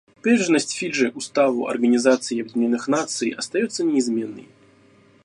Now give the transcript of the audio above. Приверженность Фиджи Уставу Организации Объединенных Наций остается неизменной.